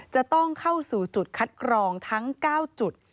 จะต้องเข้าสู่จุดคัดกรองทั้ง๙จุด